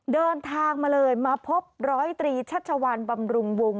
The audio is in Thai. เดินทางมาเลยมาพบร้อยตรีชัชวานบำรุงวง